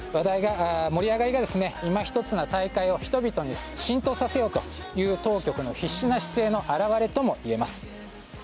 盛り上がりがいま一つな大会を人々に浸透させようという当局の必死な姿勢の表れともいえます。